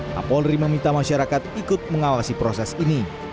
kapolri meminta masyarakat ikut mengawasi proses ini